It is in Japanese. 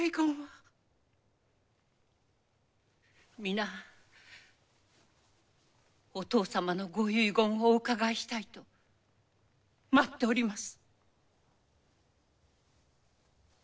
皆お父様のご遺言をおうかがいしたいと待っております。